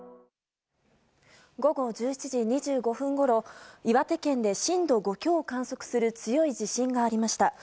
午後１１時２５分ごろ岩手県で震度５強を観測する強い地震がありました。